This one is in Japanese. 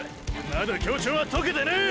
まだ協調はとけてねェ！！